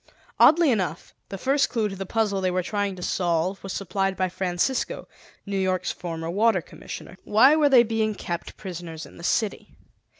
Oddly enough, the first clue to the puzzle they were trying to solve was supplied by Francisco, New York's former Water Commissioner. Why were they being kept prisoners in the city?